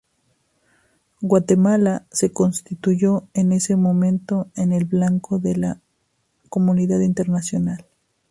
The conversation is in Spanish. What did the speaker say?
Guatemala se constituyó en ese momento en el blanco de la comunidad internacional.